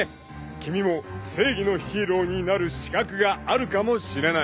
［君も正義のヒーローになる資格があるかもしれない］